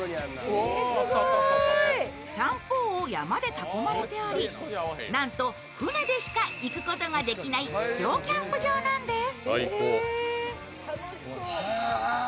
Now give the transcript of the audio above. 三方を山で囲まれており、なんと船でしか行くことができない秘境キャンプ場なんです。